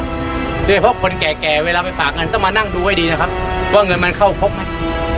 โดยเฉพาะคนแก่แก่เวลาไปฝากเงินต้องมานั่งดูให้ดีนะครับว่าเงินมันเข้าครบไหม